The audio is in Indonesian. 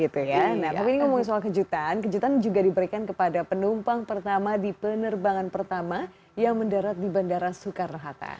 tapi ini ngomongin soal kejutan kejutan juga diberikan kepada penumpang pertama di penerbangan pertama yang mendarat di bandara soekarno hatta